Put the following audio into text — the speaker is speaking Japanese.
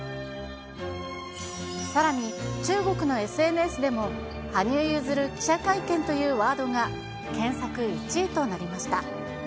さらに、中国のＳＮＳでも、羽生結弦記者会見というワードが検索１位となりました。